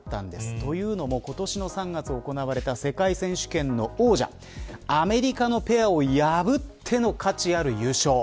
というのも、今年の３月行われた世界選手権の王者アメリカのペアを破っての価値ある優勝。